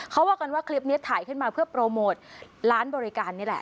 เขาว่ากันว่าคลิปนี้ถ่ายขึ้นมาเพื่อโปรโมทร้านบริการนี่แหละ